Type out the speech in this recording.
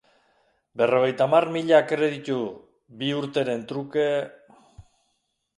Berrogeita hamar mila kreditu bi urteren truke...